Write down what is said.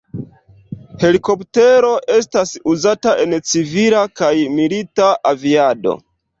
Helikoptero estas uzata en civila kaj milita aviado.